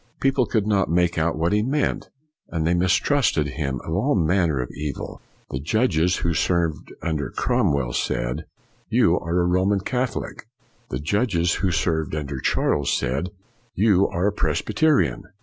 People could not make out what he meant, and they mis trusted him of all manner of evil. The judges who served under Cromwell said, " You are a Roman Catholic"; the judges who served under Charles said, " You are a Presbyterian.''